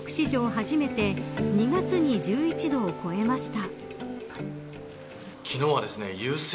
初めて２月に１１度を超えました。